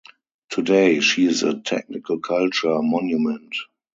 Today, she is a technical culture monument.